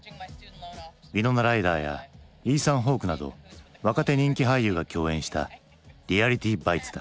ウィノナ・ライダーやイーサン・ホークなど若手人気俳優が共演した「リアリティ・バイツ」だ。